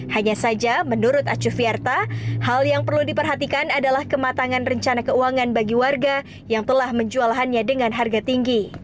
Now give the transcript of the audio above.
hanya saja menurut acu fiarta hal yang perlu diperhatikan adalah kematangan rencana keuangan bagi warga yang telah menjualannya dengan harga tinggi